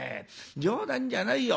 冗談じゃないよ